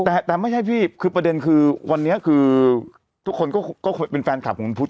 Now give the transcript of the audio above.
แต่แต่ไม่ใช่พี่คือประเด็นคือวันนี้คือทุกคนก็เป็นแฟนคลับของคุณพุทธ